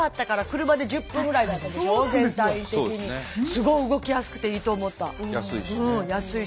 すごい動きやすくていいと思った。